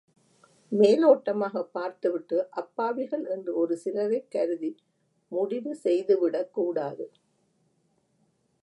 மேலோட்டமாகப் பார்த்துவிட்டு அப்பாவிகள் என்று ஒருசிலரைக் கருதி முடிவு செய்துவிடக்கூடாது.